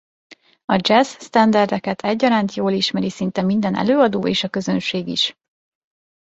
A dzsessz-sztenderdeket egyaránt jól ismeri szinte minden előadó és a közönség is.